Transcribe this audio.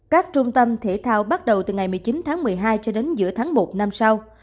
các trung tâm thể thao bắt đầu từ ngày một mươi chín tháng một mươi hai cho đến giữa tháng một năm sau